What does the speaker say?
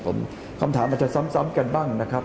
ผมคำถามอาจจะซ้ำกันบ้างนะครับ